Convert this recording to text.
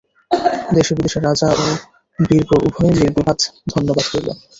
দেশে বিদেশে রাজা ও বীরবর উভয়ের নির্বিবাদ ধন্যবাদ হইল।